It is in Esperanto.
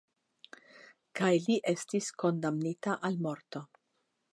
La li estis kondamnita al morto.